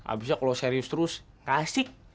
abisnya kalau serius terus gak asik